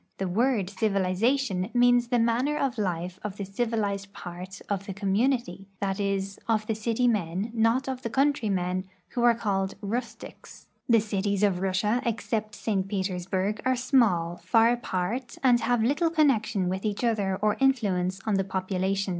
The word civiliza tion means the manner of life of the civilized part of the com munity— that is, of the city men, not of the country men, who are called rustics." The cities of Russia, except St. Petersburg, are small, far apart, and have little connection with each other or influence on the population.